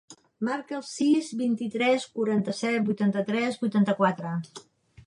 Marca el sis, vint-i-tres, quaranta-set, vuitanta-tres, vuitanta-quatre.